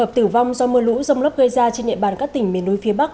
hợp tử vong do mưa lũ rông lốc gây ra trên địa bàn các tỉnh miền núi phía bắc